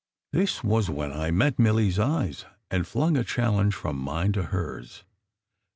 This was when I met Milly s eyes and flung a challenge from mine to hers.